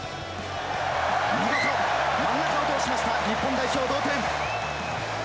見事、真ん中を通しました、日本代表、同点。